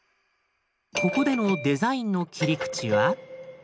ここでのデザインの切り口は？